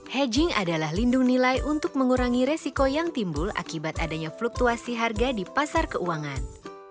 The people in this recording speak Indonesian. hedging adalah lindung nilai untuk mengurangi resiko yang timbul akibat adanya fluktuasi harga di pasar keuangan